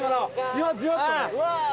じわじわっとね。